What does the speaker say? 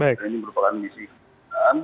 ini merupakan misi kita